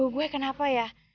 gue kenapa ya